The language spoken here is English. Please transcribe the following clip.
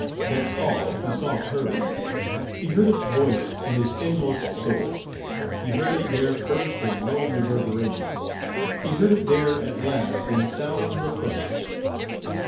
That call Toussaint heard; he heard its voice in his inmost soul; he heard it there first in low reverberations; he heard it there at last in sounds of thunder.